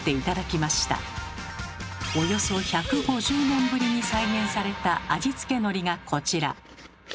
およそ１５０年ぶりに再現された味付けのりがこちら。